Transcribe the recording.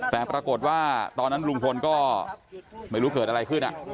แต่ปรากฏว่าตอนนั้นลุงพลก็ไม่รู้เกิดอะไรขึ้น